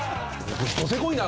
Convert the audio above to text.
ドせこいな！